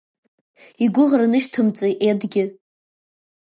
Игәыӷра нышьҭымҵи Едгьы…